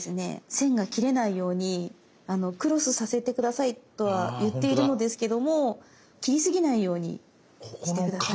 線が切れないようにクロスさせて下さいとは言っているのですけども切り過ぎないようにして下さい。